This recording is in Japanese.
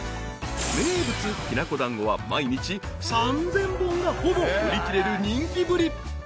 ［名物きな粉団子は毎日３，０００本がほぼ売り切れる人気ぶり］